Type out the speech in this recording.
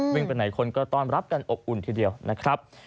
ไปไหนคนก็ต้อนรับกันอบอุ่นทีเดียวนะครับ